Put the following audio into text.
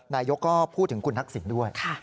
นายกก็พูดถึงคุณทักษิณด้วย